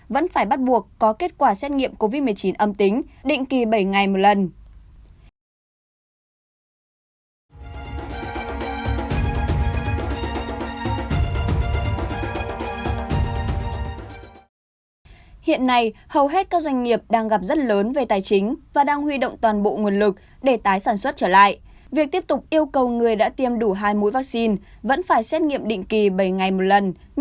vẫn phải bắt buộc có kết quả xét nghiệm covid một mươi chín âm tính định kỳ bảy ngày một lần